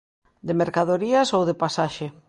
De mercadorías ou de pasaxe.